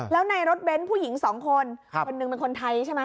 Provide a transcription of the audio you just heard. แล้วในรถเบนท์ผู้หญิงสองคนคนหนึ่งเป็นคนไทยใช่ไหม